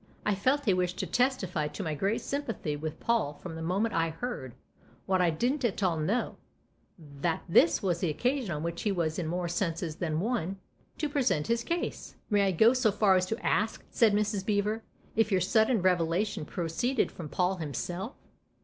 "I felt a wish to testify to my great sympathy with Paul from the moment I heard what I didn't at all know that this was the occasion on which he was, in more senses than one, to present his case." " May I go so far as to ask," said Mrs. Beever, "if your sudden revelation proceeded from Paul himself?"